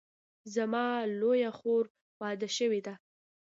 زما لویه خور واده شوې ده